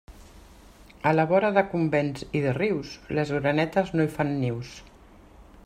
A la vora de convents i de rius, les orenetes no hi fan nius.